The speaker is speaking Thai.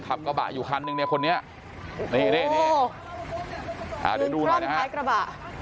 ขับกระบะอยู่คันนึงในคนนี้นี่นี่นี่นี่อ่าเดี๋ยวดูหน่อยนะฮะ